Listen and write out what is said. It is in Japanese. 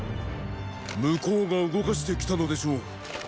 向こうが動かして来たのでしょう。